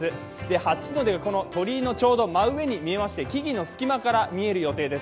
初日の出が鳥居のちょうど真上に見えまして木々の隙間から見える予定です。